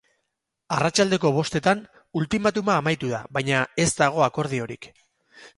Arratsaldeko bostetan ultimatuma amaitu da, baina ez dago akordiorik.